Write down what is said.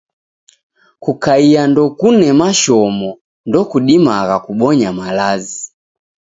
Kakai ndokune mashomo, ndokudumagha kubonya malazi.